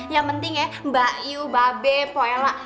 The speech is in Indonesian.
yang penting ya mbak yu mbak be pak ella